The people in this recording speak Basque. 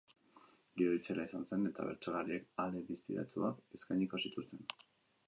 Giro itzela izan zen eta bertsolariek ale distiratsuak eskaini zituzten.